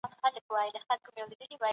سياست پوهنه د بشري ټولنې لپاره يو نعمت دی.